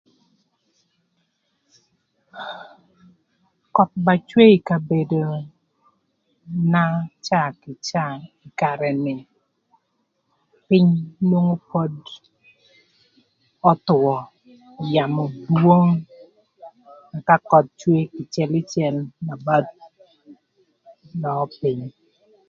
Köth ba cwee ï kabedona caa kï caa ï karë ni pïny nwongo pod öthwö, yamö dwong ëka köth cwee kïcëlïcël na ba dök pïny.